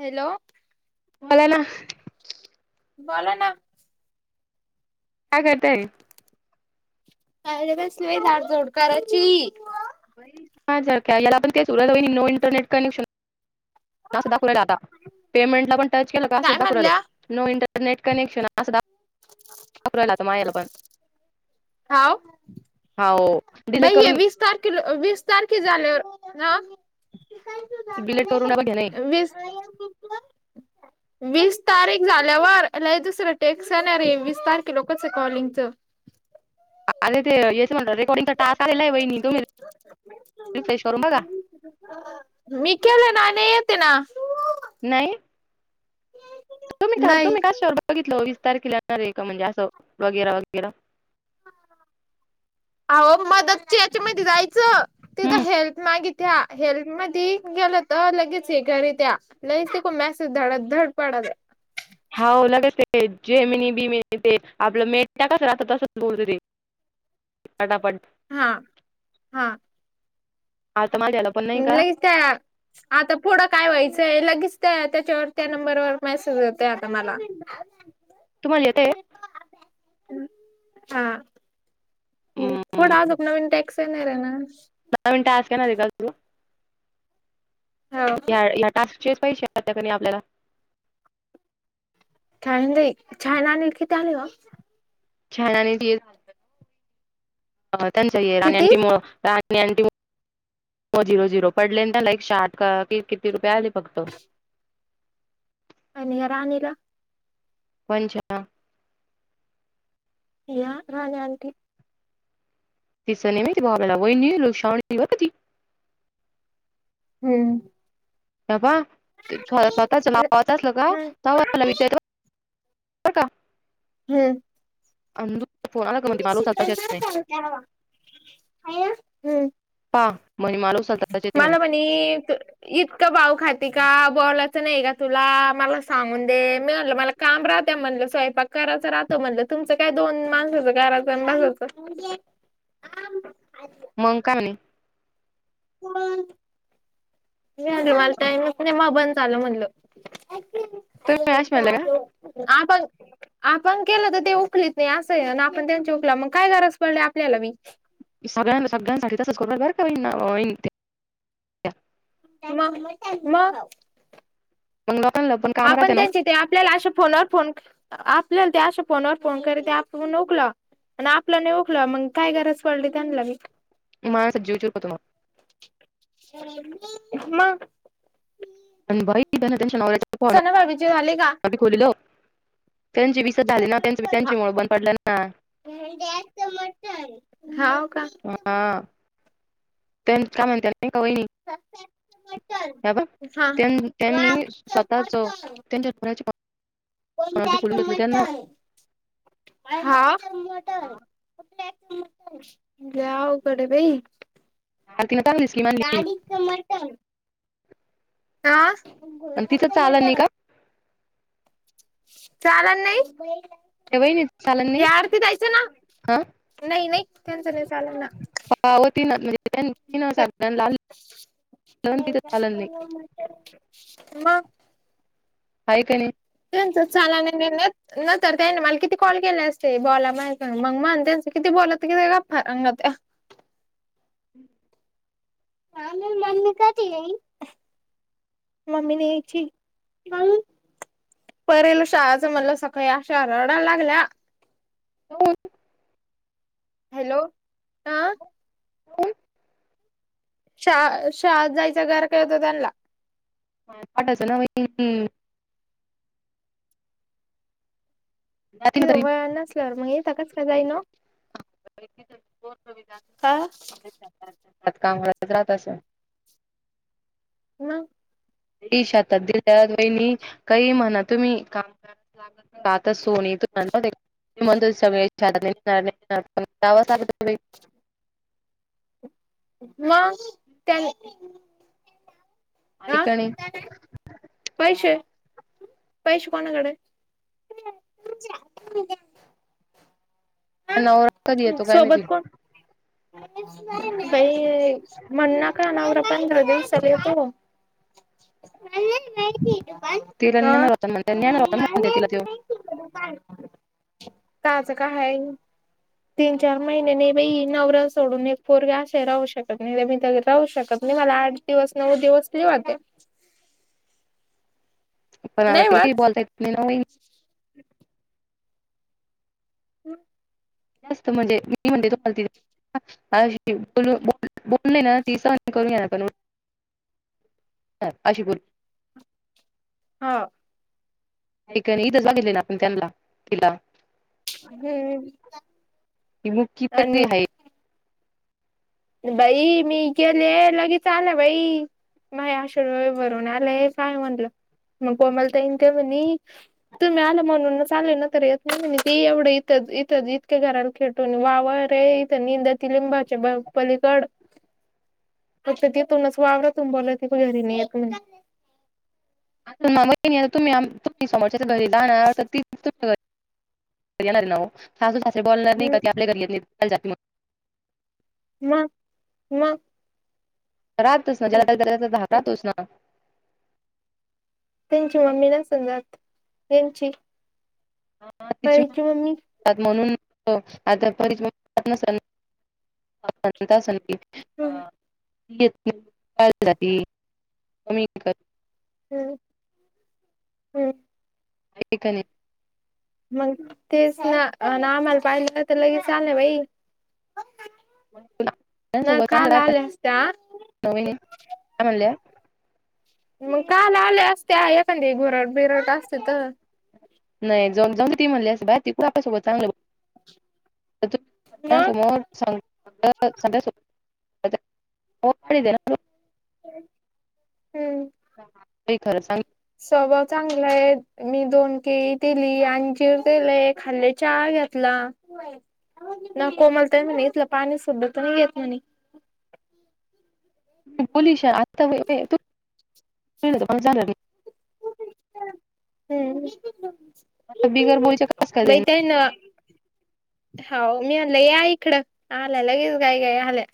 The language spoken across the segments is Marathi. हॅलो मला ना बला ना काय करताय काय बस झाड झडकार अची हार आपण का नो इंटरनेट कनेक्शन अस दाखुला आता पेमेंटला पण टच केलं का काय सुद्धा खुल म्हणल्या नो इंटरनेट कनेक्शन अपमला त मायला पण हाव हाव डिलीट बई आहे करून वीस तारखे कि वीस तारखे झाल्यावर डिलीट करून बघ नाही वीस वीस तारीख झाल्यावर दुसरं टेक्सणार रे वीस तारखे लोकच आहे कॉलिंगचं अरे ते याचं म्हणलं रेकॉर्डिंग तर टास आलेला आहे बईणी तुम्ही रिफ्रेश करून बघा मी केले ना येते ना नाही तुम्ही का नाही तुम्ही काश शवरर बघितलं वीसारखे येणार आहे का म्हणजे असं वगैरे वगैरे अह मदतची याची माहिती जायचं तिथं हम्म हेल्प मागित त्या हेल्म मध्ये गेलं तर लगेच हे घरी त्या नैतिक मॅसेज धड धड पडत हाव लगेच ते जेमिनी बिमिनी ते आपलं मेट्या कसं राहतात तसंच बोलत ते टा पट्ट हा हा आता माझ जला पणा का का आता पुढं काय व्हायचंय लगेच ते त्याच्यावर त्या नंबरवर मेसेज येतय आता मला तुम्हाला येतंय हा अं पुढ अजोक नवीन टॅक्स येणार र आहे ना दहा मिनटं का ना ते का तरू हो टास्क चेस पाहि शे आ त्याणी आपल्याला काय म्हज छय ना आलेल किती आले ग छाण्याने झा त्यांच राण्यां किती आणिटी झिरो झिरो पडले ना लाईक शार्ट क किती रुपये आले फक्त आणि राणीला पंच या राज आटी तस नाही म ती बाबाेला वईन लुकसव हो ती हम्म ते बा स्वतःच नातचलं का हम्म मला विद्यार्थ हो का हम्म अुोला श चाल त्या हवााम् पाहा महि मलू सतचे महि आणि इतकं भाऊ खाती का बोलायचं नाही का तुला मला सांगून दे मी म्हलं मला काम राहतें म्हणलं स्वयंपाक कराचं राहतं म्हणलं तुमचं काय दोन माणसाचं घराचं आणि मासाचं म्हणजे मंकावणे वालताय ना े म बंद झालं म्हटलं तुम्ही आश मला का [inaudible] आपण केलं तर ते उखलीत नाही असं आपण त्यांच्या उखला मग काय गरज पडली आपल्याला मी सगळ्यां सगळ्यांसाठी तसंच बर का. त्या. म. मग. काम राहते आपण ना त्यांची. ते आपल्याला अशा फोनवर फोन आपल्याला ते अशा फोनवर फोन करी ते आप नोकला. आणि आपलं नाही ओखलं मग काय गरास पडली त्यांना मी. मझ सज्जव चुरपतम. म. [inaudible] सना भाभी चे झाले का? खुोलल त्यांची विसत झाली ना त्यांच त्यांची मळ बंद पडलं ना गॅस मटन हा का. हा त्यां का म्हणता नाही का ह हा त्यांनी स्वतःच त्यांच्या पु मी फुलून घेतलं त्यांना [inaudible] जा आऊ कडे भ आ तीनचालीस कि मनली [inaudible] हा गो आणि तिचं चालन नाही का मट चाला नाही त्या वहिनीचं चालन नाही या आरती दयचं ना हा नाही नाही त्यांचं नाही चालं ना पाव त ना म्हणजेगळ्या लाल तिथ चाल नाही म आहे का नाही त्यांच छान न न तरर त्यानी मला किती कॉल केले असते बोला मा मग म्हण त्यांचं किती बोला तर कि ग फर हा म मन म काट येई ममीनेची परेल शाळाचं म्हणलं सकाळी अशा हरहडायला लागल्या दोन हॅलो हा शा शा जायचं घर काय होत त्यांना ह पाठाच ना व जाती ना तिथ तरी वळ नसल्यावर मग येथ काच काय जाई ना क हा जा त कामच राहात असं ह ते शातात दिल्या वहिणी काही म्हणा तुम्ही काम [inaudible] म्हण सगळे इच्छारात निघणार नाही पणवा सग. म त्यां. ऐकणी. पैसे, पैसे कोणाकडे? नवररा कधी येतो काय मीती. सोबत कोण बाई म्हणना का अनावर आपण र्रदेल चाल होतो. तिला न्ञणार होता म्हणते नञणार होता ना म्हणते तिला तो. काझं का आहे. तीन चार महिने नाही बा नवर सोडून एक पोरग्या असे राहू शकत नाही मी तर राहू शकत नाही मला आज. दिवस नऊ दिवस लिवात. पण तिला काही बोलता यय नाही ना. ह. ह. असत म्हणजे मी म्हणते तोल. अ बोल ना ती स करू ना पण. हां अशशीपूर. हो. का नाही इथं झालेली ना आपण त्यांना तिला. हम्म ती मुकी तरी आणि. आहे बाई मी गेले लगेच आलं बाई. माय आशेड वे भरून आलंय काय म्हणलं मग प मला त येईन तेव नाही. तुम्ही आला म्हणून चाल ना तर येत म्ह ते एवढं इथं इथंच इतक्या घरा. खेटून वावा रे इथं निंदा ति लिंबाचे. पलीकड त तुनच वावर तु बला त घरी नाही येत म्हण. मागता् त् समोरच्या आ घरी लहान त घरी. येणार आहे नाासासे बॉोलणार नाही आपल्या घरी जात. मग, मग. राहतोस ना ज राहतोस ना. [inaudible] त्यांची मम्मी ना सजात यांची. ह तिच्या. म्हणून आताच. हम्म [unintelligible] कमी. [unintelligible] हम्म हम्म. खने. [unintelligible] मग तेच ना ना आम्हाला पाहिलं तर लगेच चाललंय बाई. ना तु काल चांगलं आल्या असत्या नवी काय म्हणल्या. मग काल आले असते एखाद घोरट बिरट असते तर. नाही जम जाऊ त ती म्हणलीस बाय तीठ आपल्यासोबत चांगलंसमोर. मग दे ना. [unintelligible] हम्म [inaudible] ते खरं सांग. स्वभाव चांगलं आहे. मी दोन केळी दिली आणिंजीर दिलेय खाल्ले चहा घेतला. ना कोमलत म्हणे इेतलं पाणी सुुद्ध तर नाही येत म्हणे. म बोलश आताळ झा. हम्म बिगर बोलीच्या कस काय देईन बैताय ना. हो मी आलं या इकडं आल्या लगेच गाई गाई आल्या.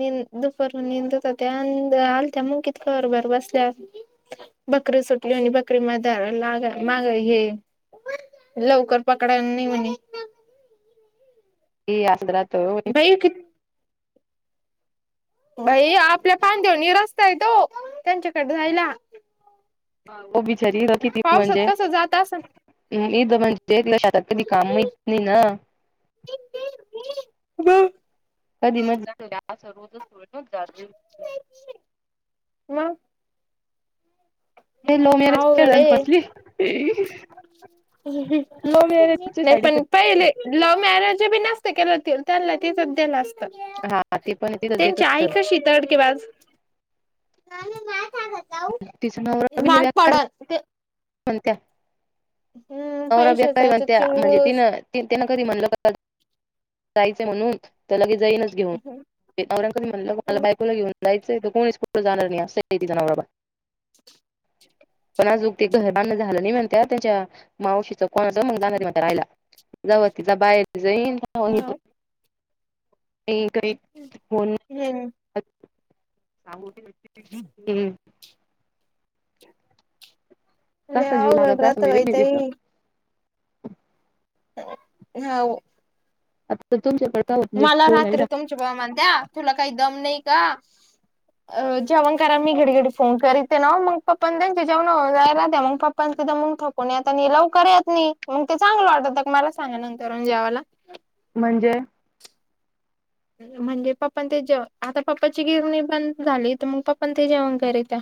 नंद दुपार नंद होतात अ आलत्या मु कितकर बर बसल्यावर. बकरी सुटली आणि बकरी मध लाग मागा हे. लवकर पकडायला नाही म्हणे. ह आ. [unintelligible] बे किती बाई आपल्या पानदवनी रस्ता य तो त्यांच्याकडे जायला बीचारी किती पावसात म्हणजे कसं जात असन इथ म्हणजे शेतात कधी काम माहित नाही ना ह कधी मधी जात होते अस रोजच [unintelligible] म हे लव्हमर्रेज केले अवघड आण आहे फसली लव्ह मॅरेजची नाही साईड पण इफेक्ट पहिले लव्ह मॅरेज बी नसत केल ते त्यांला तिथंच देल असत हा ते पण तिथंच देत त्यांची आई होत कशी तडके बाज तिचा नवरा लय बेकार त [unintelligible] म्हणत्या हम्म नवरा पैशाचा बेक्कार याच्यात म्हणत्या म्हणजे चिंगूस तिनं तिनं कधी म्हणलं जायचंय म्हणून त्या लगे जाईनच घेऊन नवरऱ्यान कधी म्हणलं मला हम्म बायकोला घेऊन जायचंय तर कोणीच कुट जाणार नाही असं तिचा नवरा बाई [unintelligible] पण आजग ते घर बांधण झालं नाही म्हणत त्याच्या मावशीच [unintelligible] काही [unintelligible] हम् [unintelligible] लय कसा जीव अवघड लागत अस राहत बाई ताई तिचा [unintelligible] आता तुमच्याकडे होत मला फोन आहे रात्री ना तुमचे भाऊ म्हणत्या तुला काही दम नाही का [unintelligible] अ जेवण करा मी घडी घडी फोन करी ते नाव मग पप्प त्यां जेवणला त्या मग पप्प ति मगो कोणी आता लवकर येत नाही मग ते चांगलं वाटत मला सांगा नंतर जेवाला म्हणजे [unintelligible] म्हणजे पप्पा ते जे आता पप्पाची गिरणी बंद झाली तर मग पप्प ते जेवण करीत्या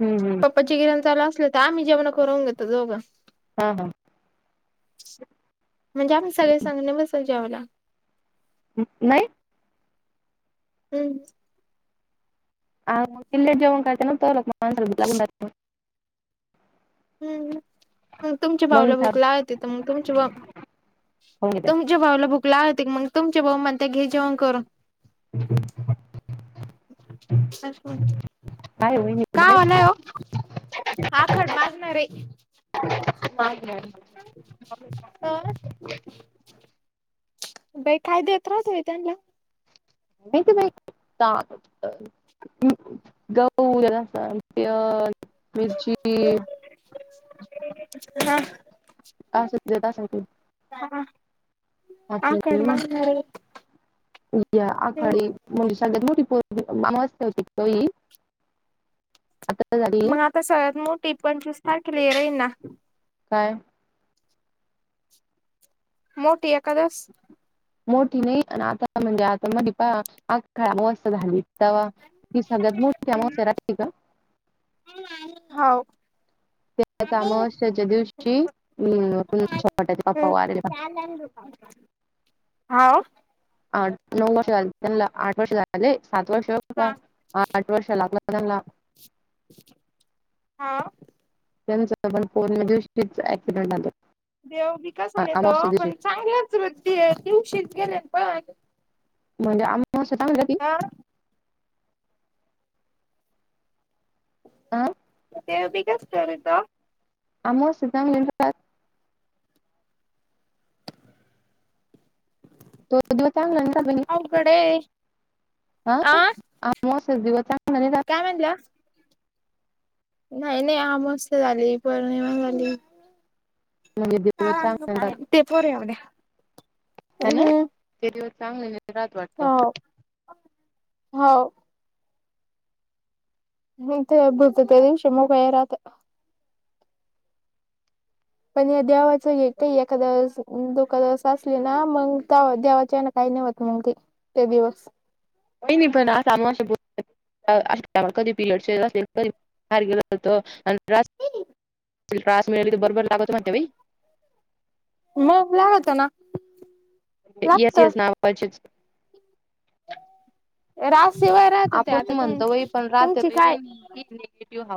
हम्म हम् पप्पाची गिरण चालू असले तर आम्ही जेवण करून घेतो दोघ हा हा म्हणजे आम्ही सगळे सांगणे बसल जेवाला नाही हम्म अग [unintelligible] ह तुमच्या मग भावला भुक साहेब लागती आहे तथं मग तुमची भाऊ खाऊन घेते तुमच्या भाऊला भुक लागती मग तुमचे भाऊ म्हणता घे जेवण करून ह [unintelligible] [unintelligible] काय होईल का होलाय आखड मागणार आहे [unintelligible] हं [unintelligible] बाई काय देत रहाती त्यानला [unintelligible] गहू जरासा [unintelligible] मिरची ह [unintelligible] असं देत असन ते आपल्या [unintelligible] [unintelligible] आता झाली. ता सगळत मोठी पंचवीस तारखेला राहीना. काय? मोठी आहे एकादस मोठी नाही आता म्हणजे आता मपा आ खस्त झाली. ते ही सगळ्यात मोठी अमास्या राते का? हो. कामाश्याच्या दिवशी छपाटा बाप्पा वारेला [unintelligible] हा. आठ नऊ वर्ष झाली त्यांना आठ वर्ष झाले सात वर्ष का? आठ वर्ष लागला [unintelligible] हा. त्यांच पण फोन [unintelligible] ऍक्सिडेंट [unintelligible] देव बिकस नाही अमावस्या तो दिवशी पण चांगल्याच वृद्धी दिवशीच गेले पण म्हणजे आमच्या स्वतः गुजराती, हा. हा देव बीघचार करतो. अमावस्या [unintelligible] पाळत. तो दिवस चांगलं [unintelligible] कडे. हा अमावस्येचा दिवस चांगला नाही जात. काय म्हणल्या नाही नाही अमावस्या झाली पोर्णिमा झाली. नैवेद्य [unintelligible] आहे ते पोर एवढ्या ना. हम्म तेरी चांगली रात वाटतो. हो हो. ह ते भत त्या दिवशी मगय राहात. पण देवाचं हे काही एखाद वेळेस दोखदा. असली ना मग देवाची आहे ना काही नाही होत मग ते ते दिवस होय नाही पण अमावस्या [unintelligible] कधी पिरियड येत असले तरी बाहेर गेलं तर अन त्रास म [unintelligible] बरोबर लागत मतेई मग ला होता ना. येस लागत येस नावचीच रास शिवाय राहत ते आता आपण तुम म्हणतो वई पण राहत तुमची काय वेणी. गेटव हाउ.